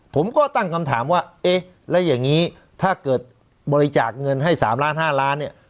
ผมก็ตั้งคำถามว่าเอ๊ะแล้วอย่างนี้ถ้าเกิดบริจาคเงินให้๓ล้าน๕ล้านเนี่ย